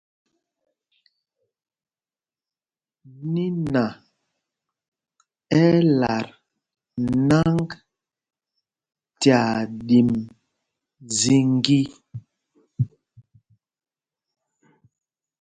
Niná ɛ́ ɛ́ lat nǎŋg tyaa ɗǐm zīgī.